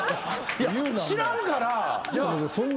いや知らんから。